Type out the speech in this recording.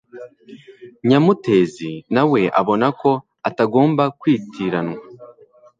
Nyamutezi, na we abona ko atagomba kwitiranwa